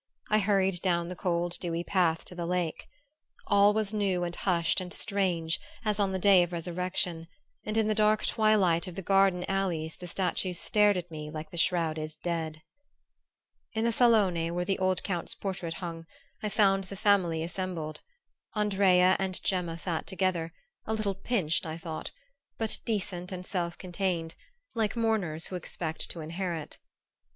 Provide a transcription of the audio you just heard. I hurried down the cold dewy path to the lake. All was new and hushed and strange as on the day of resurrection; and in the dark twilight of the garden alleys the statues stared at me like the shrouded dead. In the salone, where the old Count's portrait hung, I found the family assembled. Andrea and Gemma sat together, a little pinched, I thought, but decent and self contained, like mourners who expect to inherit.